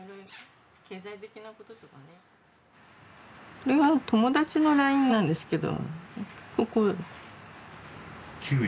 これは友達のＬＩＮＥなんですけど。